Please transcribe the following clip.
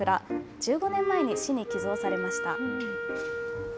１５年前に市に寄贈されました。